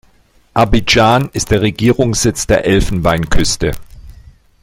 Abidjan ist der Regierungssitz der Elfenbeinküste.